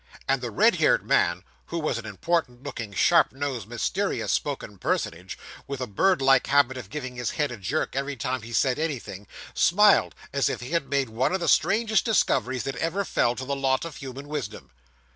And the red haired man, who was an important looking, sharp nosed, mysterious spoken personage, with a bird like habit of giving his head a jerk every time he said anything, smiled as if he had made one of the strangest discoveries that ever fell to the lot of human wisdom.